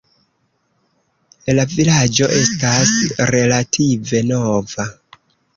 La vilaĝo estas relative nova.